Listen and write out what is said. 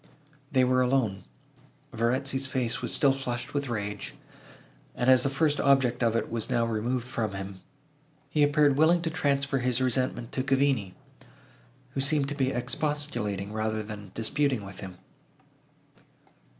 They were alone. Verezzi's face was still flushed with rage; and, as the first object of it was now removed from him, he appeared willing to transfer his resentment to Cavigni, who seemed to be expostulating, rather than disputing, with him.